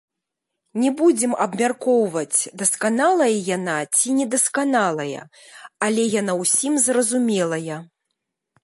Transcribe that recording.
Не будзем абмяркоўваць, дасканалая яна ці недасканалая, але яна ўсім зразумелая.